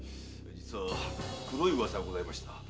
実は黒い噂がございました。